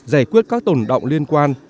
giải quyết các tổn động liên quan